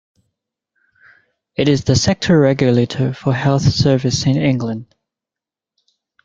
It is the sector regulator for health services in England.